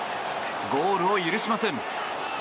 ゴールを許しません。